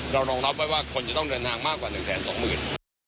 เรารองรับไว้ว่าคนจะต้องเดินทางมากกว่า๑แสนสองหมื่น